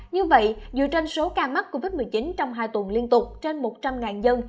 như vậy dựa trên số ca mắc covid một mươi chín trong hai tuần liên tục trên một trăm linh dân